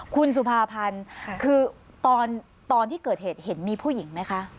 คุณสุภาพันธ์คือตอนที่เกิดเหตุเห็นมีผู้หญิงไหมคะ